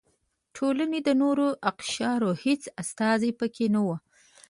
ټولنې د نورو اقشارو هېڅ استازي پکې نه و.